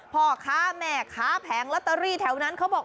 พ่อค้าแม่ค้าแผงลอตเตอรี่แถวนั้นเขาบอก